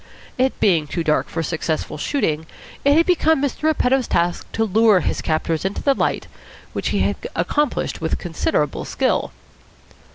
It being too dark for successful shooting, it had become Mr. Repetto's task to lure his captors into the light, which he had accomplished with considerable skill.